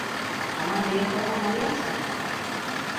আমার মেয়ের কথা মনে আছে?